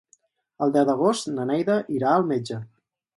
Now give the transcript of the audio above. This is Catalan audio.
El deu d'agost na Neida irà al metge.